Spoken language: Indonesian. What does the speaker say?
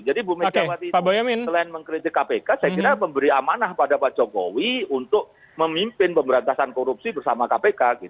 jadi bu mega selain mengkritik kpk saya kira memberi amanah kepada pak jokowi untuk memimpin pemerintahan korupsi bersama kpk